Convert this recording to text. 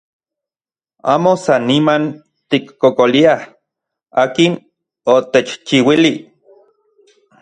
Amo san niman tikkokoliaj akin otechchiuili.